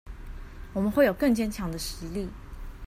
我們會有更堅強的實力